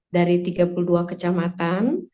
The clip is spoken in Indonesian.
dari tiga puluh dua kecamatan